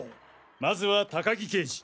まずは高木刑事